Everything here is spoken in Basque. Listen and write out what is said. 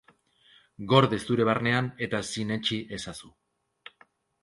Gorde zure barnean eta sinetsi ezazu.